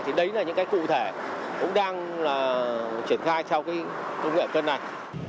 thì đấy là những cái cụ thể cũng đang là triển khai theo cái công nghệ cân này